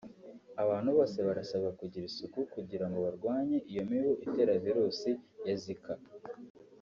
Abantu bose barasabwa kugira isuku kugira ngo barwanye iyo mibu itera virus ya Zika